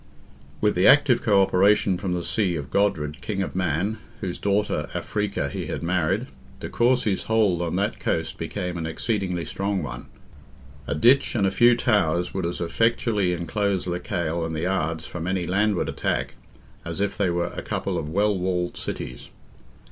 With the active co operation from the sea of Godred, King of Man, (whose daughter Africa he had married), de Courcy's hold on that coast became an exceedingly strong one. A ditch and a few towers would as effectually enclose Lecale and the Ardes from any landward attack, as if they were a couple of well walled cities.